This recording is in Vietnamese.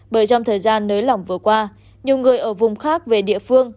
bởi trong thời gian nới lỏng vừa qua nhiều người ở vùng khác về địa phương